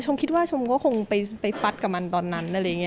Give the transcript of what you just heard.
คิดว่าชมก็คงไปฟัดกับมันตอนนั้นอะไรอย่างนี้